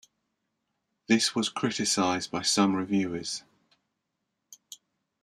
This was criticized by some reviewers.